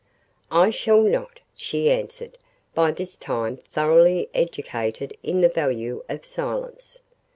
"I shall not," she answered, by this time thoroughly educated in the value of silence.